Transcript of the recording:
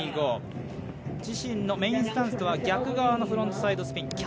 自身のメインスタンスとは逆側のフロントサイドスピン。